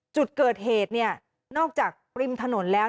จุดเกิดเหตุเนี่ยนอกจากปริมถนนแล้ว